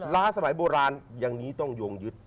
ล้าสมัยโบราณอย่างนี้ต้องโยงยึด